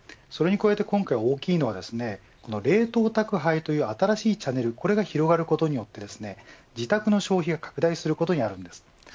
それに加えて今回大きいのは冷凍宅配という新しいチャネルが広がることで自宅の消費が拡大することにあります。